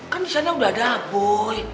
kan di sana udah ada boy